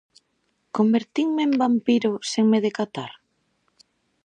"Convertinme en vampiro sen me decatar?".